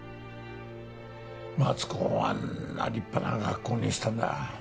松高をあんな立派な学校にしたんだ。